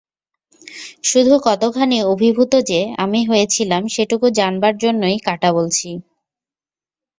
শুধু কতখানি অভিভূত যে আমি হয়েছিলাম সেটুকু জানবার জন্যই কাটা বলছি।